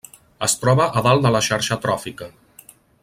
Es troba a dalt de la xarxa tròfica.